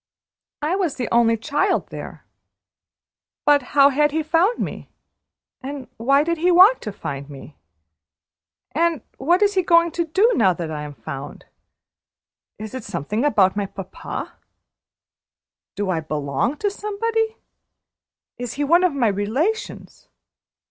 "I was the only child there; but how had he found me, and why did he want to find me? And what is he going to do, now I am found? Is it something about my papa? Do I belong to somebody? Is he one of my relations?